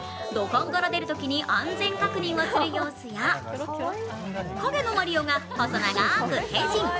土管から出るときに安全確認をする様子や、マリオが細く長く変身。